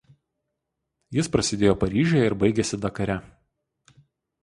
Jis prasidėjo Paryžiuje ir baigėsi Dakare.